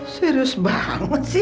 serius banget sih